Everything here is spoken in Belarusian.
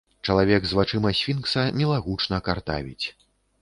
Чалавек з вачыма сфінкса мілагучна картавіць.